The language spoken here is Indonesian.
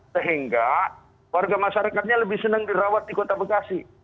sehingga warga masyarakatnya lebih senang dirawat di kota bekasi